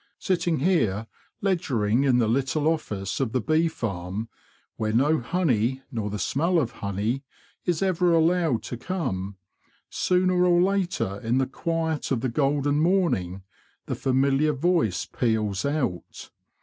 Sitting here ledgering in the little office of the bee farm—where no honey, nor the smell of honey, is ever allowed to come—sooner or later, in the quiet of the golden morning, the familiar voice peals out.